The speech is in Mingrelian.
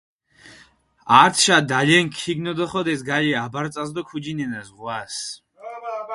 ართიშა დალენქ ქიგნოდოხოდეს გალე აბარწას დო ქუჯინენა ზღვას.